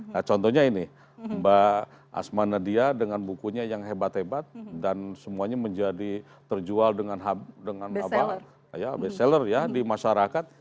nah contohnya ini mbak asma nadia dengan bukunya yang hebat hebat dan semuanya menjadi terjual dengan best seller ya di masyarakat